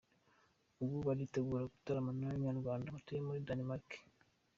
Ubu, baritegura gutaramana n’Abanyarwanda batuye muri Denmark.